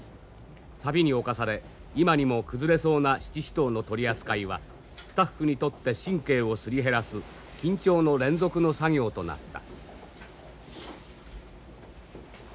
錆に侵され今にも崩れそうな七支刀の取り扱いはスタッフにとって神経をすり減らす緊張の連続の作業となった。